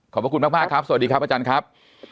ขอบคุณมากครับสวัสดีครับอาจารย์ครับ